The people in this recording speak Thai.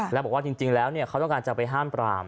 แล้วบอกว่าจริงแล้วเขาต้องการจะไปห้ามปราม